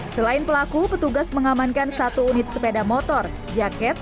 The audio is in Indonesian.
selain pelaku petugas mengamankan satu unit sepeda motor jaket